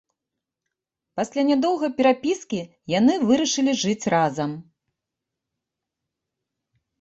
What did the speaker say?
Пасля нядоўгай перапіскі яны вырашылі жыць разам.